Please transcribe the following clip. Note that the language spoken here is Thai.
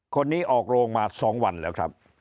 คนนี้ออกโรงมา๒วันแล้วครับ